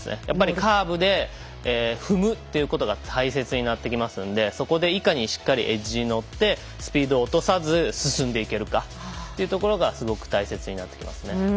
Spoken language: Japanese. やっぱりカーブで踏むということが大切になってきますんでそこでいかにしっかりエッジに乗ってスピードを落とさず進んでいけるかというところがすごく大切になってきますね。